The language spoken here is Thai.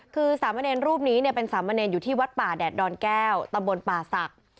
คือ๓มะเนนรูปนี้เป็น๓มะเนนอยู่ที่วัดป่าแดดดอนแก้วตำบลป่าศักดิ์